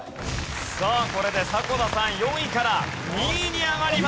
さあこれで迫田さん４位から２位に上がります。